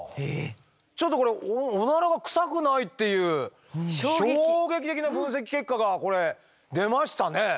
ちょっとこれオナラはクサくないっていう衝撃的な分析結果がこれ出ましたね。